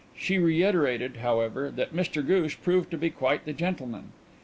She reiterated, however, that Mr Ghoosh proved to be "quite the gentleman."